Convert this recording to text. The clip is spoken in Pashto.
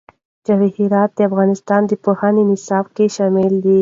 جواهرات د افغانستان د پوهنې نصاب کې شامل دي.